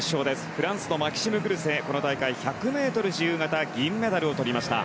フランスのマキシム・グルセこの大会、１００ｍ自由形で銀メダルをとりました。